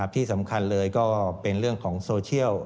ที่สำคัญเลยก็เป็นเรื่องของโซเชียล